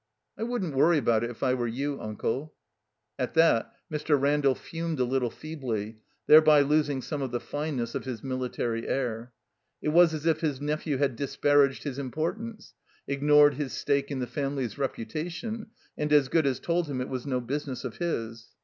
I wouldn't worry about it if I were you, Unde." At that Mr. Randall fiuned a Uttle feebly, thereby losing some of the fineness of his military air. It was as if his nephew had disparaged his importance, ignored his stake in the family's reputation, and as good as told him it was no business of his.